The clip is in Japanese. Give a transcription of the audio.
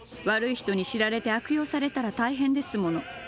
悪い人に知られて悪用されたら大変ですもの。